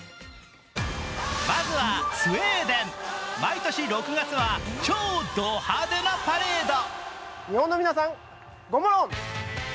まずはスウェーデン、毎年６月は超ド派手なパレード。